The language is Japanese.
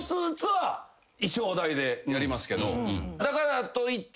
だからといって。